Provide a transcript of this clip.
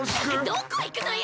どこいくのよ！